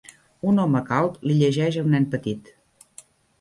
Un home calb li llegeix a un nen petit.